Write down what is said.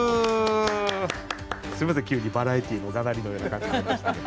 すみません急にバラエティーのがなりのような感じになりましたけど。